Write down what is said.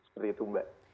seperti itu mbak